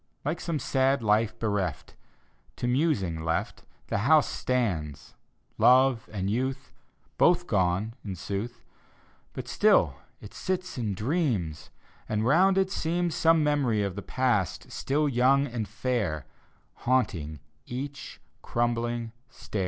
Like some sad life bereft, To musing left, The house stands: love and youth Both gone, in sooth: But still it sits and dreams: And round it seems Some memory of the past, still young and fair, Haunting each crumbling stair.